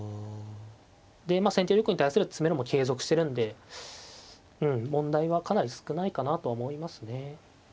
でまあ先手玉に対する詰めろも継続してるんで問題はかなり少ないかなと思いますね。